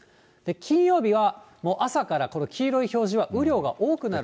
金曜日は朝からこの黄色い表示が雨量が多くなる所。